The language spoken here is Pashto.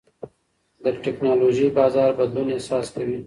د ټېکنالوژۍ بازار بدلون احساس کوي.